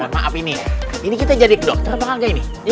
maaf ini ini kita jadi dokter apa nggak ini